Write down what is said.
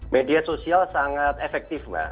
media sosial sangat efektif mbak